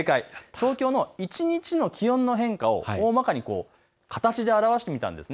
東京の一日の気温の変化を大まかに形で表してみたんです。